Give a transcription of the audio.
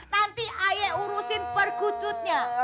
nanti ayah urusin perkututnya